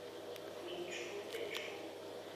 民初废除。